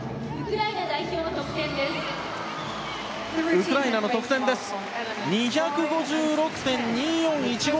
ウクライナの得点です。２５６．２４１５。